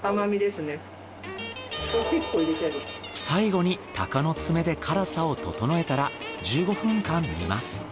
最後に鷹の爪で辛さを調えたら１５分間煮ます。